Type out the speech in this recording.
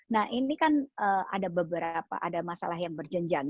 nah ini kan ada beberapa ada masalah yang berjenjang